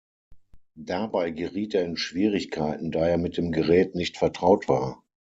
Dabei geriet er in Schwierigkeiten, da er mit dem Gerät nicht vertraut war.